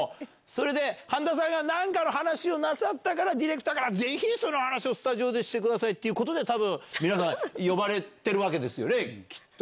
それで半田さんが何かの話をなさったからディレクターからぜひその話をスタジオでしてくださいってことで多分皆さん呼ばれてるわけですよねきっと。